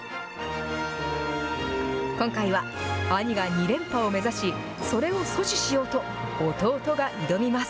今回は兄が２連覇を目指し、それを阻止しようと、弟が挑みます。